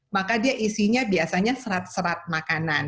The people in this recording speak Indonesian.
maka dia isinya biasanya serat serat makanan